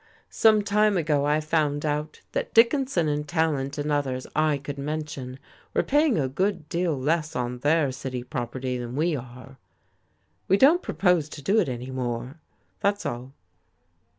Some time ago I found out that Dickinson and Tallant and others I could mention were paying a good deal less on their city property than we are. We don't propose to do it any more that's all."